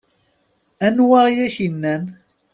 Anwa i ak-innan?